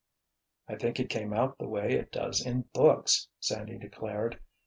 "I think it came out the way it does in books," Sandy declared.